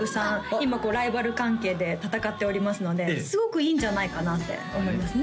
今ライバル関係で戦っておりますのですごくいいんじゃないかなって思いますね